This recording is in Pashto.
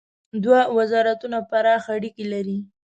دوه وزارتونه پراخ اړیکي لري.